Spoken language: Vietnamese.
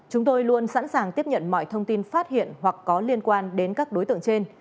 chúng tôi luôn sẵn sàng tiếp nhận mọi thông tin phát hiện hoặc có liên quan đến các đối tượng trên